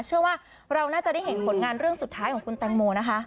เชื่อว่าเราน่าจะได้เห็นผลงานเรื่องสุดท้ายของคุณแตงโมนะคะ